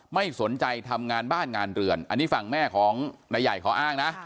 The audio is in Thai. ไม่สนใจทำงานบ้านงานเรือนอันนี้ฝั่งแม่ของนายใหญ่เขาอ้างนะ